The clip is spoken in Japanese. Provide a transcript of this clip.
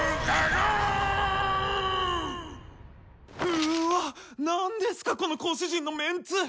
うわっ何ですかこの講師陣のメンツ！